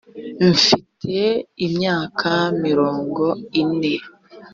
mfite imyaka mirongo ine